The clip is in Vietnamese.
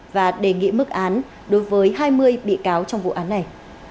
và đề nghị mức án đối với hai mươi bị cáo trong vụ án này